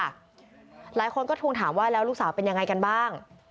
หลายคนก็ทวงถามว่าแล้วลูกสาวเป็นยังไงกันบ้าง